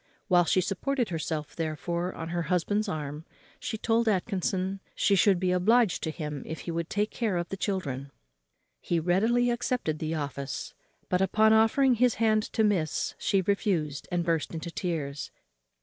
While she supported herself, therefore, on her husband's arm, she told Atkinson she should be obliged to him if he would take care of the children. He readily accepted the office; but, upon offering his hand to miss, she refused, and burst into tears.